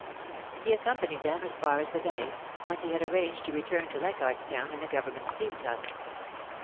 He accompanied them as far as the Bay, whence he had arranged to return to Leichardf s Town in the Government steamtug.